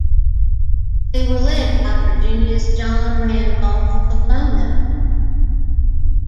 They were led by Virginia's John Randolph of Roanoke.